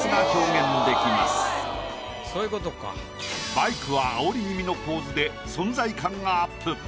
バイクはあおり気味の構図で存在感がアップ。